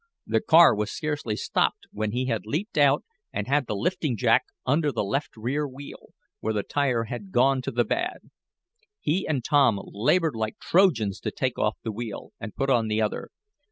The car was scarcely stopped when he had leaped out, and had the lifting jack under the left rear wheel, where the tire had gone to the bad. He and Tom labored like Trojans to take off the wheel, and put on the other.